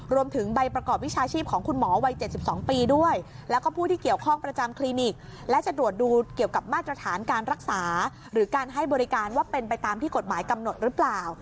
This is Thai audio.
ใบประกอบวิชาชีพของคุณหมอวัย๗๒ปีด้วยแล้วก็ผู้ที่เกี่ยวข้องประจำคลินิกและจะตรวจดูเกี่ยวกับมาตรฐานการรักษาหรือการให้บริการว่าเป็นไปตามที่กฎหมายกำหนดหรือเปล่า